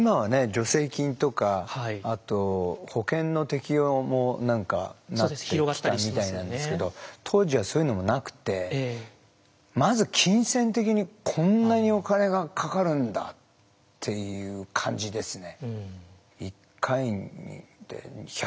助成金とかあと保険の適用も何かなってきたみたいなんですけど当時はそういうのもなくてまず金銭的にこんなにお金がかかるんだっていう感じですね。